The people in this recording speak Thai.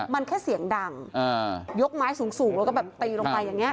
มันแค่เสียงดังยกไม้สูงแล้วก็แบบตีลงไปอย่างนี้